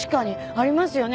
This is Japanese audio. ありますよね